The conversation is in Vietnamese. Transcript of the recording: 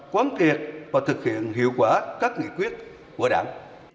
quán kiệt và thực hiện hiệu quả các nghị quyết của đảng